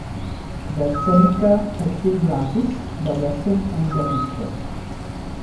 The Seneca had two branches; the western and the eastern.